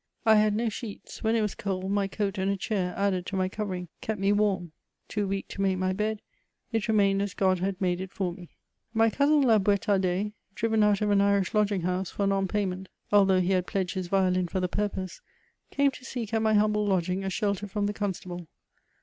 I had no sheets ; when it was cold, my coat and a chair added to my covering, kept me warm ; too weak to make my bed, it remained as God had made it for me. VOI*. I. 2 P 380 MEMOIBS OF My cousin La BouStardais, driven ouib of an Irish lodging boose, for non payment, although he had pledged his violin for the purpose, eame to seek at my humUe lodging a shelter from the constable.